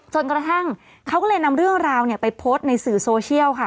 จนกระทั่งเขาก็เลยนำเรื่องราวไปโพสต์ในสื่อโซเชียลค่ะ